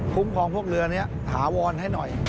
ครองพวกเรือนี้ถาวรให้หน่อย